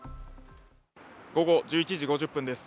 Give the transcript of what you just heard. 午後１１時５０分です